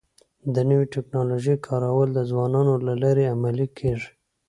د نوې ټکنالوژۍ کارول د ځوانانو له لارې عملي کيږي.